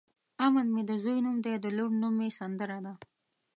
امن مې د ځوی نوم دی د لور نوم مې سندره ده.